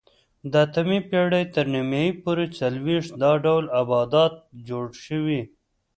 د اتمې پېړۍ تر نیمایي پورې څلوېښت دا ډول آبدات جوړ شوي